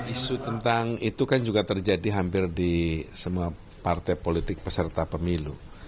isu tentang itu kan juga terjadi hampir di semua partai politik peserta pemilu